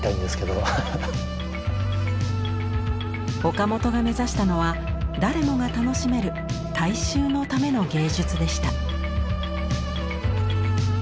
岡本が目指したのは誰もが楽しめる「大衆のための芸術」でした。